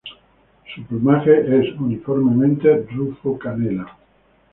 Su plumaje es uniformemente rufo-canela.